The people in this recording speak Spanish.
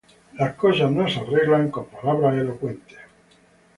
Las cosas no se arreglan con palabras elocuentes.